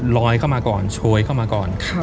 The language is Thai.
เข้ามาก่อนโชยเข้ามาก่อน